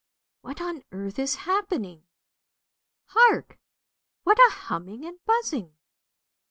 "What on earth is happening? Hark! what a humming and buzzing?